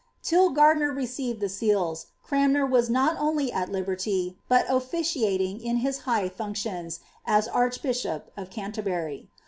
Till Gardiner received the seals, Cranmer was not only at liberty, but oRiciaiiag in his high functions, as arcUbish'ip of Canter bury.